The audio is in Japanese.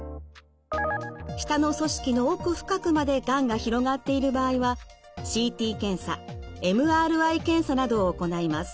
舌の組織の奥深くまでがんが広がっている場合はＣＴ検査ＭＲＩ検査などを行います。